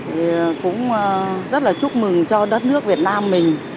thì cũng rất là chúc mừng cho đất nước việt nam mình